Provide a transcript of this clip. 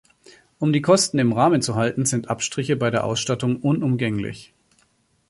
Um die Kosten im Rahmen zu halten, sind Abstriche bei der Ausstattung unumgänglich.